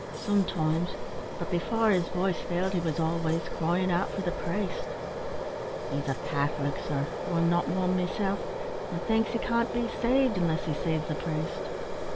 "Sometimes; but before his voice failed he was always cryin' out for the priest. He's a Catholic, sir, though I'm not wan meself and thinks he can't be saved unless he sees the priest."